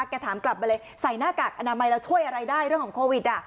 ถามกลับไปเลยใส่หน้ากากอนามัยแล้วช่วยอะไรได้เรื่องของโควิด